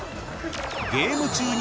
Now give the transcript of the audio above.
［ゲーム中に］